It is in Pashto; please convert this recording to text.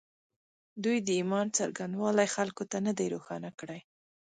دوی د ایمان څرنګوالی خلکو ته نه دی روښانه کړی